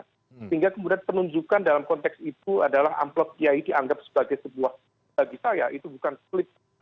sehingga kemudian penunjukkan dalam konteks itu adalah amplop ti ini dianggap sebagai sebuah bagi saya itu bukan flip